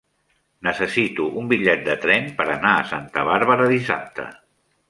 Necessito un bitllet de tren per anar a Santa Bàrbara dissabte.